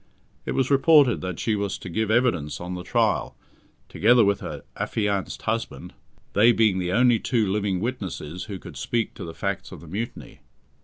It was reported that she was to give evidence on the trial, together with her affianced husband, they being the only two living witnesses who could speak to the facts of the mutiny.